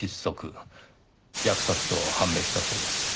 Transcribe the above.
扼殺と判明したそうです。